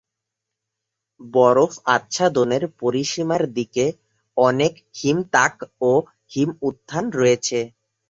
বরফ আচ্ছাদনের পরিসীমার দিকে অনেক হিম তাক ও হিম উত্থান রয়েছে।